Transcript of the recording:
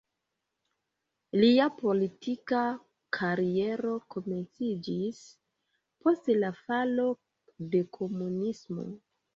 Lia politika kariero komenciĝis post la falo de komunismo.